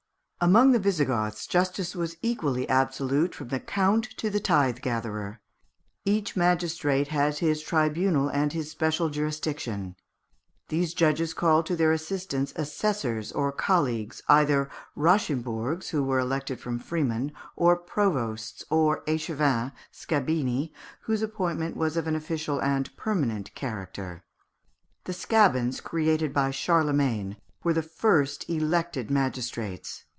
Among the Visigoths justice was equally absolute from the count to the tithe gatherer. Each magistrate had his tribunal and his special jurisdiction. These judges called to their assistance assessors or colleagues, either rachimbourgs, who were selected from freemen; or provosts, or échevins (scabini), whose appointment was of an official and permanent character. The scabins created by Charlemagne were the first elected magistrates.